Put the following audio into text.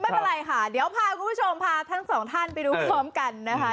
ไม่เป็นไรค่ะเดี๋ยวพาคุณผู้ชมพาทั้งสองท่านไปดูพร้อมกันนะคะ